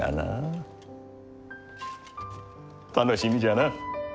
楽しみじゃな。